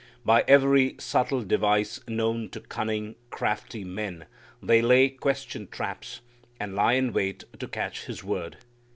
By every subtle device known to cunning, crafty men, they lay question traps, and lie in wait to catch His word.